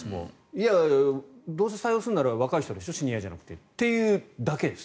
いやいや、どうせ採用するなら若い人でしょ、シニアじゃなくてというだけです。